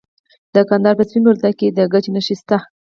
د کندهار په سپین بولدک کې د ګچ نښې شته.